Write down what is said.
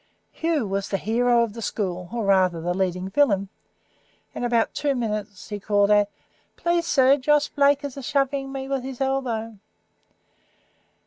Hugh was the hero of the school, or rather the leading villain. In about two minutes he called out, "Please, sir, Josh Blake is a shoving me with his elbow."